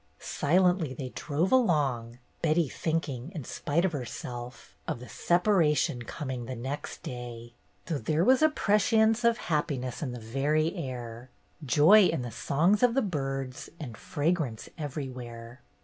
Silently they drove along, Betty thinking, in spite of herself, of the separation coming the next day, though there was a prescience of happiness in the very air, joy in the songs of the birds, and fragrance everywhere.